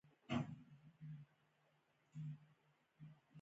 هغه د صمیمي لرګی پر مهال د مینې خبرې وکړې.